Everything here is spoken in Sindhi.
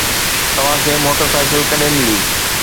توهان کي موٽرسائيڪل ڪڏهن ملي؟